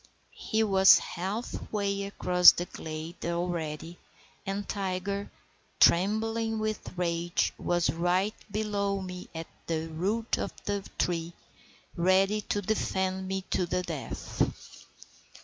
He was half way across the glade already, and Tiger, trembling with rage, was right below me at the root of the tree, ready to defend me to the death.